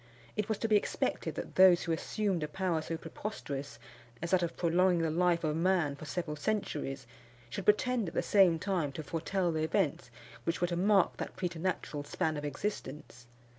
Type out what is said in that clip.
It was to be expected that those who assumed a power so preposterous as that of prolonging the life of man for several centuries, should pretend, at the same time, to foretell the events which were to mark that preternatural span of existence.